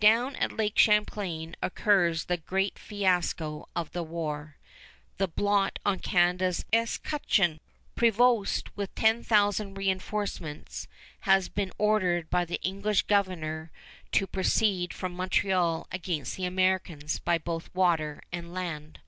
Down at Lake Champlain occurs the great fiasco of the war, the blot on Canada's escutcheon. Prevost with ten thousand reënforcements has been ordered by the English Governor to proceed from Montreal against the Americans by both water and land.